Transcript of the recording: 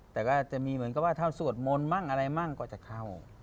แต่ก็จะมีเหมือนกับว่าถ้าสวดมนต์มั่งอะไรมั่งก็จะเข้า